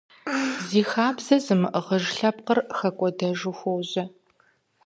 Зи хабзэр зымыӀыгъыж лъэпкъыр хэкӀуэдэжу хуожьэ.